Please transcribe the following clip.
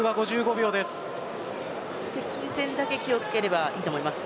接近戦だけ気をつければいいと思います。